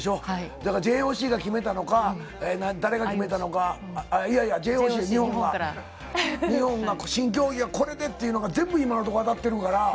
だから、ＪＯＣが決めたのか、誰が決めたのか、いやいや、ＪＯＣ、日本が、新競技がこれでっていうのが全部今のところ、当たってるから。